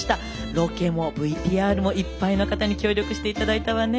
ロケもＶＴＲもいっぱいの方に協力して頂いたわね。